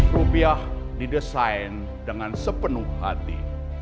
rupiah didesain dengan sepenuh hati